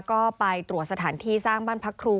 ก็ไปตรวจสถานที่สร้างบ้านพักครู